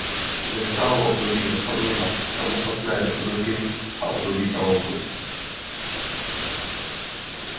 Nastalo období rozpadu na samostatné republiky a období chaosu.